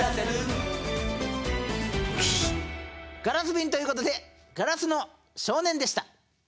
ガラスびんということで「硝子の少年」でした。